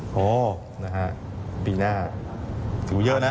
โหปีหน้าถูกเยอะนะ